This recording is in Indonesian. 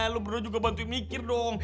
lo beneran juga bantuin mikir dong